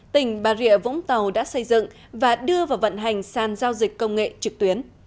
tỉnh bà rịa vũng tàu đã xây dựng và đưa vào vận hành sàn giao dịch công nghệ trực tuyến